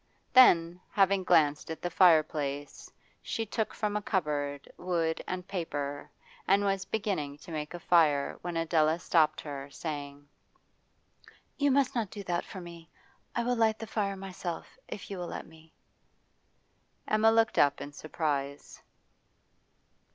Then, having glanced at the fireplace, she took from a cupboard wood and paper and was beginning to make a fire when Adela stopped her, saying: 'You must not do that for me. I will light the fire myself, if you will let me.' Emma looked up in surprise.